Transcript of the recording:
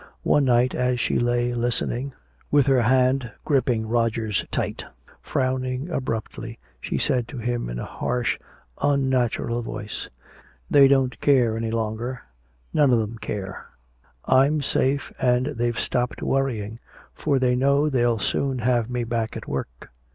One night as she lay listening, with her hand gripping Roger's tight, frowning abruptly she said to him, in a harsh, unnatural voice: "They don't care any longer, none of them care! I'm safe and they've stopped worrying, for they know they'll soon have me back at work!